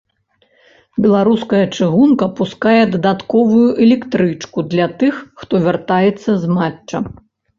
Беларуская чыгунка пускае дадатковую электрычку для тых, хто вяртаецца з матча.